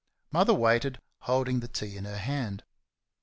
Mother waited, holding the tea in her hand.